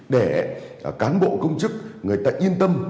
để cán bộ công chức người ta yên tâm